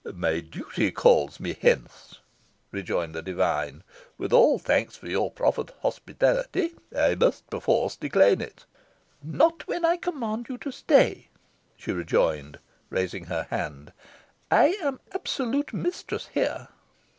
"My duty calls me hence," returned the divine. "With all thanks for your proffered hospitality, I must perforce decline it." "Not when I command you to stay," she rejoined, raising her hand; "I am absolute mistress here."